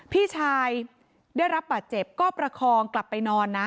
พี่ชายได้รับบาดเจ็บก็ประคองกลับไปนอนนะ